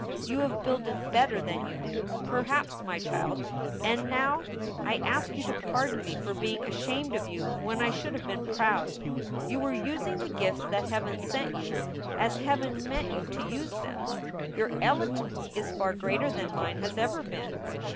"You have builded better than you knew, perhaps, my child and now I ask you to pardon me for being ashamed of you when I should have been proud. You were using the gifts that Heaven sent you as Heaven meant you to use them. Your eloquence is far greater than mine has ever been.